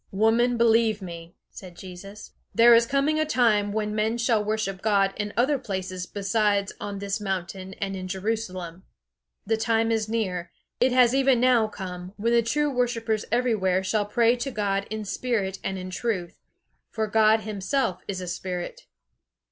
"Woman, believe me," said Jesus, "there is coming a time when men shall worship God in other places besides on this mountain and in Jerusalem. The time is near; it has even now come, when the true worshippers everywhere shall pray to God in spirit and in truth; for God himself is a Spirit."